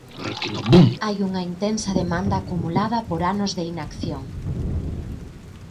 Hai unha intensa demanda acumulada por anos de inacción.